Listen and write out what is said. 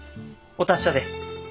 お達者で。